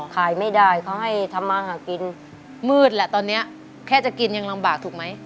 ขายไม่ได้เขาให้ทำมาหากินมืดแหละตอนนี้แค่จะกินยังลำบากถูกไหม